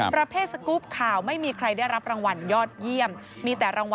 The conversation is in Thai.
ประเภทสกรุ๊ปข่าวไม่มีใครได้รับรางวัลยอดเยี่ยม